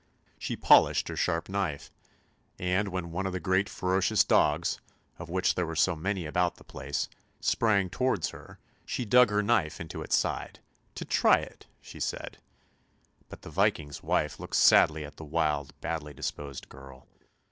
She polished her sharp knife, and when one of the great ferocious dogs, of which there were so many about the place, sprang towards her, she dug her knife into its side, " to try it," she said; but the Viking's wife looked sadly at the wild, badly disposed girl.